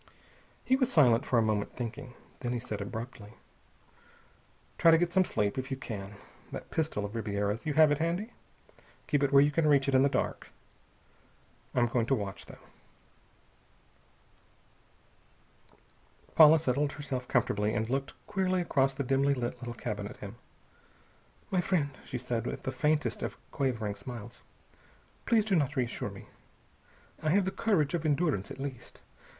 He was silent for a moment, thinking. Then he said abruptly, "Try to get some sleep, if you can. That pistol of Ribiera's you have it handy? Keep it where you can reach it in the dark. I'm going to watch, though." Paula settled herself comfortably, and looked queerly across the dimly lit little cabin at him. "My friend," she said with the faintest of quavering smiles, "Please do not reassure me. I have the courage of endurance, at least.